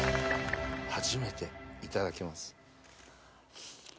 初めていただきます。